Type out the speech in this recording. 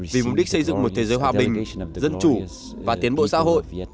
vì mục đích xây dựng một thế giới hòa bình dân chủ và tiến bộ xã hội